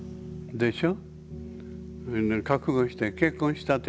でしょ？